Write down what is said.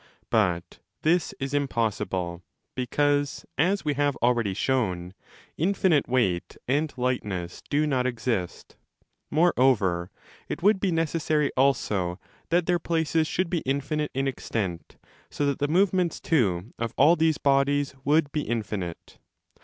But this is impossible, because, as we have already shown, infinite weight and lightness do not exist. Moreover it would be necessary also that their places should be infinite in extent, 10 so that the movements too of all these bodies would be in finite.